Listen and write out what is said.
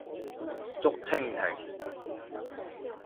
竹蜻蜓